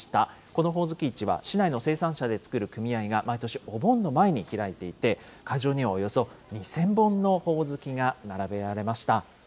このほおずき市は市内の生産者で作る組合が毎年、お盆の前に開いていて、会場にはおよそ２０００本のほおずきが並べられました。